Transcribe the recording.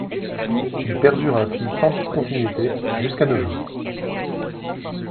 Il perdure ainsi sans discontinuité jusqu'à nos jours.